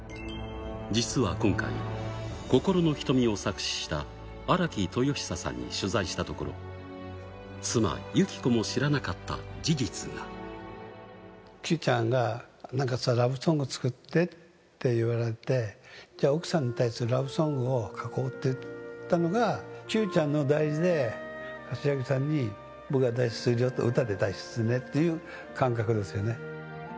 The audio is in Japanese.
実は今回、心の瞳を作詞した荒木とよひささんに取材したところ、妻、由紀子も知らなかった事九ちゃんから、ラブソング作ってって言われて、奥さんに対するラブソングを書こうって言ったのが、九ちゃんの代筆で、柏木さんに僕が代筆で、歌で代筆するねっていう感覚ですよね。